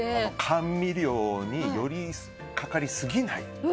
甘味料に寄りかかりすぎない。